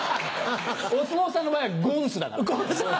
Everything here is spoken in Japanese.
お相撲さんの場合は「ごんす」だから。